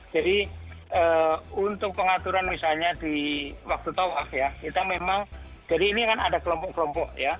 jadi untuk pengaturan misalnya di waktu tawaf ya kita memang jadi ini kan ada kelompok kelompok ya